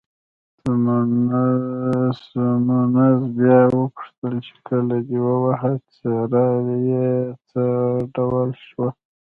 سیمونز بیا وپوښتل چې، کله دې وواهه، څېره یې څه ډول شوه؟